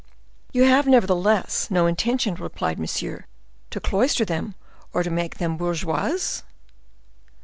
"You have nevertheless no intention," replied Monsieur, "to cloister them or make them borgeoises?"